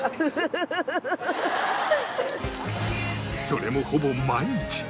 それもほぼ毎日